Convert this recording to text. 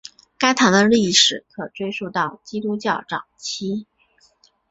该堂的历史可追溯到基督教早期。